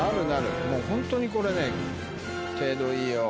本当にこれ程度いいよ。